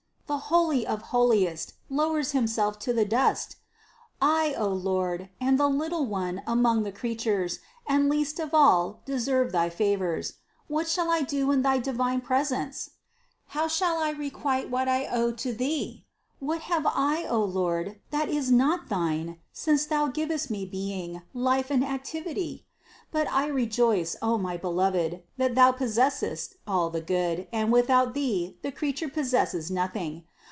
The Holy of holiest lowers Himself to the dust! I, O Lord, am the little one among the crea tures, and least of all deserve thy favors. What shall I do in thy divine presence? How shall I requite what 309 310 CITY OF GOD I owe to Thee? What have I, O Lord, that is not thine, since Thou givest me being, life and activity? But I rejoice, O my Beloved, that Thou possessest all the good, and without Thee, the creature possesses noth ing.